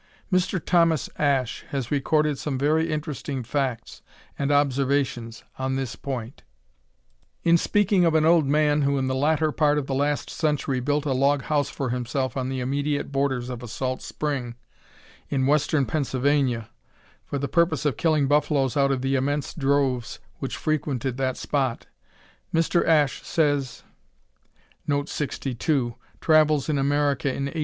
Mr. Thomas Ashe has recorded some very interesting facts and observations on this point. In speaking of an old man who in the latter part of the last century built a log house for himself "on the immediate borders of a salt spring," in western Pennsylvania, for the purpose of killing buffaloes out of the immense droves which frequented that spot, Mr. Ashe says: [Note 62: Travels in America in 1806.